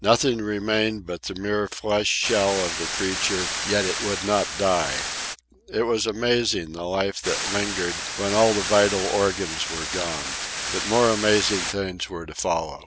Nothing remained but the mere flesh shell of the creature, yet it would not die. It was amazing the life that lingered when all the vital organs were gone. But more amazing things were to follow.